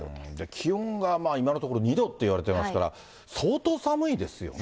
気温が今のところ、２度といわれていますから、相当寒いですよね。